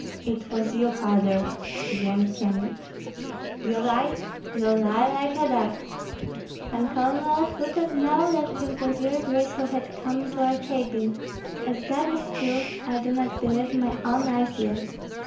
"It was you, father," said young Kyemlich. "You lie, you lie like a dog! Pan Colonel, who could know that it was your grace who had come to our cabin? As God is true, I do not believe my own eyes yet."